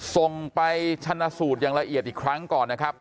ส่งไปชนะสูตรอย่างละเอียดอีกครั้งก่อนนะครับ